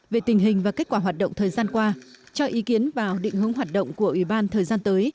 về tình hình và kết quả hoạt động thời gian qua cho ý kiến vào định hướng hoạt động của ủy ban thời gian tới